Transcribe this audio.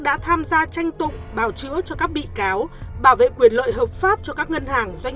đã tham gia tranh tụng bào chữa cho các bị cáo bảo vệ quyền lợi hợp pháp cho các ngân hàng doanh